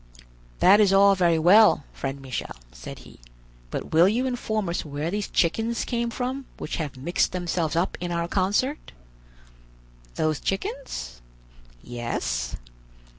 "That is all very well, friend Michel," said he, "but will you inform us where these chickens came from which have mixed themselves up in our concert?" "Those chickens?" "Yes."